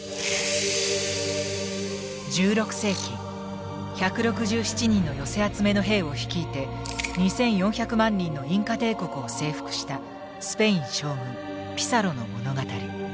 １６世紀１６７人の寄せ集めの兵を率いて２，４００万人のインカ帝国を征服したスペイン将軍ピサロの物語。